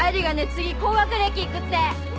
次高学歴いくって。